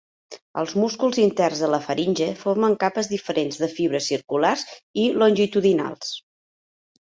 Els músculs interns de la faringe formen capes diferents de fibres circulars i longitudinals.